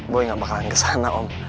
gue gak bakalan kesana om